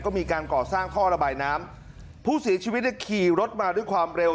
ก็มีการก่อสร้างท่อระบายน้ำผู้เสียชีวิตเนี่ยขี่รถมาด้วยความเร็ว